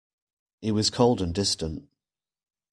He was cold and distant.